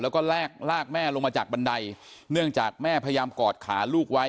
แล้วก็ลากลากแม่ลงมาจากบันไดเนื่องจากแม่พยายามกอดขาลูกไว้